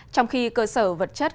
trong khi cơ sở vật chất